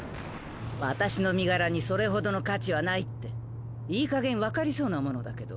私の身柄にそれほどの価値はないっていいかげん分かりそうなものだけど。